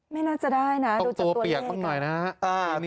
ไม่น่าจะได้นะต้องตัวเปียกต้องหน่อยนะ